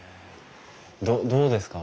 どうですか？